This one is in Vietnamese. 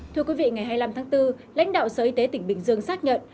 thưa quý vị ngày hai mươi năm tháng bốn lãnh đạo sở y tế tỉnh bình dương xác nhận